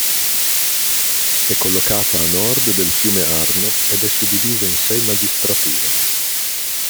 È collocata a nord del fiume Arno ed è suddivisa in sei magistrature.